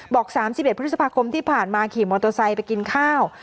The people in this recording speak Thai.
๓๑พฤษภาคมที่ผ่านมาขี่มอเตอร์ไซค์ไปกินข้าว